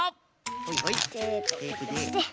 ほいほいテープで。